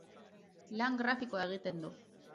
Lan grafikoa egiten du.